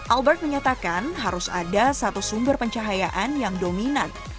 albert menyatakan harus ada satu sumber pencahayaan yang dominan